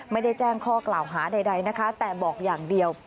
ไม่ได้แจ้งข้อกล่าวหาใดนะคะแต่บอกอย่างเดียว